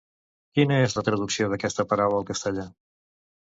Quina és la traducció d'aquesta paraula al castellà?